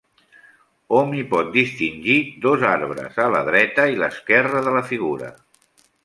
Hom hi pot distingir dos arbres, a la dreta i l'esquerra de la figura.